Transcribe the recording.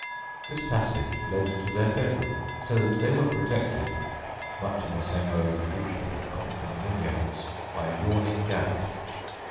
This passage led to their bedroom, so that they were protected much in the same way as the fugitive at Compton Winyates, by a yawning gap.